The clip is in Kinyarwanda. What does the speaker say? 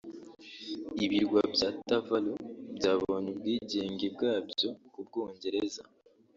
Ibirwa bya Tavalu byabonye ubwigenge bwabyo ku Bwongereza